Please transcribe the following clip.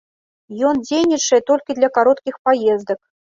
Ён дзейнічае толькі для кароткіх паездак.